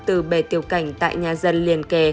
từ bề tiểu cảnh tại nhà dân liền kè